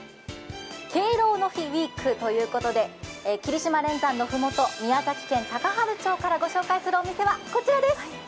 敬老の日ウイークということで、霧島連山の麓、宮崎県高原町からご紹介するお店はこちらです。